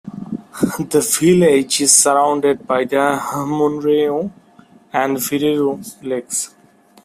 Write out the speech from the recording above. The village is surrounded by the Muneru and Vireru lakes.